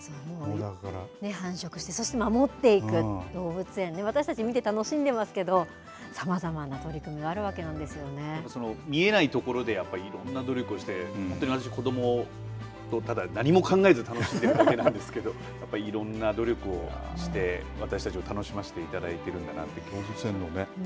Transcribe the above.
繁殖してそして守っていく動物園私たち見て楽しんでますけどさまざまな取り組みが見えないところでいろんな努力をして子どもと、ただ何も考えずに楽しんでいるだけなんですけどいろんな努力をして私たちを楽しませていただいているんだなと。